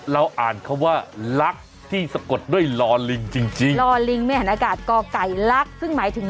รวมไปถึง